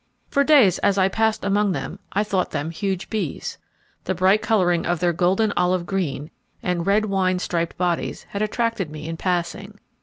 For days as I passed among them, I thought them huge bees. The bright colouring of their golden olive green, and red wine striped bodies had attracted me in passing.